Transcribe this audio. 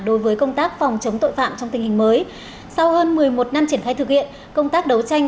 đối với công tác phòng chống tội phạm trong tình hình mới sau hơn một mươi một năm triển khai thực hiện công tác đấu tranh